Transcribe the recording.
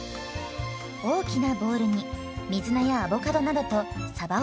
大きなボウルに水菜やアボカドなどとさばを入れたら。